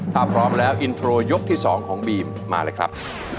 ถ้าพร้อมแล้วอินโทรยกที่๒ของบีมมาเลยครับ